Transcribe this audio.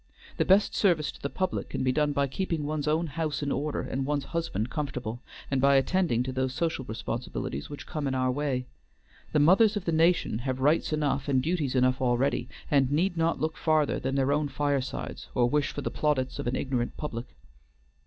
The best service to the public can be done by keeping one's own house in order and one's husband comfortable, and by attending to those social responsibilities which come in our way. The mothers of the nation have rights enough and duties enough already, and need not look farther than their own firesides, or wish for the plaudits of an ignorant public."